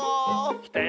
きたよ